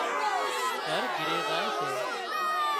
هر گھِري زائي سي